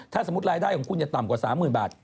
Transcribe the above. ถ้าสมมุติรายได้ของคุณจะต่ำกว่า๓๐๐๐บาท